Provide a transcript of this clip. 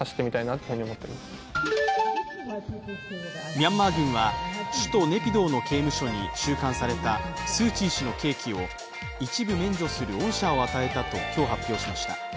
ミャンマー軍は首都・ネピドーの刑務所に収監されたスー・チー氏の刑期を一部免除する恩赦を与えたと、今日発表しました。